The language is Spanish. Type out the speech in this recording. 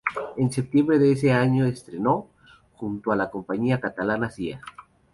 En septiembre de ese mismo año estrenó, junto a la compañía catalana Cia.